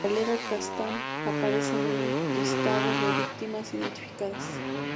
Valero Castán aparece en un listado de "victimas identificadas".